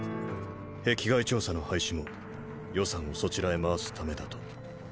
壁外調査の廃止も予算をそちらへ回すためだと。！